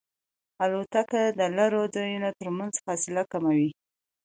الوتکه د لرې ځایونو ترمنځ فاصله کموي.